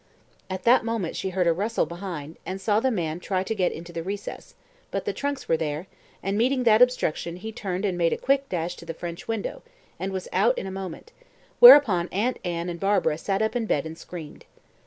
At that moment she heard a rustle behind, and saw the man try to get into the recess; but the trunks were there, and meeting that obstruction, he turned and made a quick dash to the French window, and was out in a moment, whereupon Aunt Anne and Barbara sat up in bed and screamed.